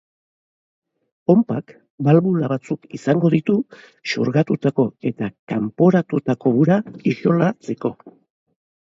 Ponpak balbula batzuk izango ditu xurgatutako eta kanporatutako ura isolatzeko.